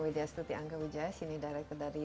widya stuti angga wujais ini director dari